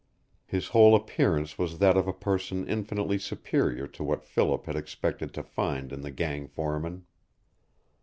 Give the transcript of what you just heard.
His whole appearance was that of a person infinitely superior to what Philip had expected to find in the gang foreman.